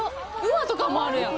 馬とかもあるやん。